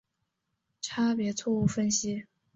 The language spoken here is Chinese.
差别错误分析。